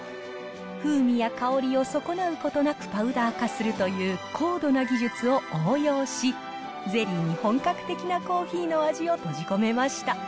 風味や香りを損なうことなくパウダー化するという、高度な技術を応用し、ゼリーに本格的なコーヒーの味を閉じ込めました。